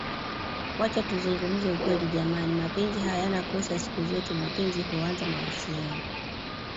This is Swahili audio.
Wacha tuzungumze ukweli jamani mapenzi hayana kosa siku zote mapenzi huanza mahusiano